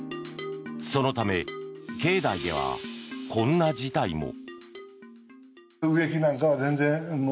そのため、境内ではこんな事態も。